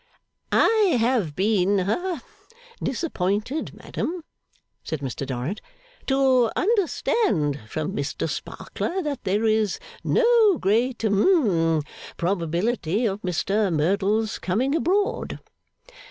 'I have been ha disappointed, madam,' said Mr Dorrit, 'to understand from Mr Sparkler that there is no great hum probability of Mr Merdle's coming abroad.